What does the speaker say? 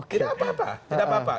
tidak apa apa tidak apa apa